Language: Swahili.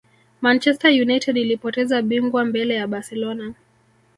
Manchester United ilipoteza bingwa mbele ya barcelona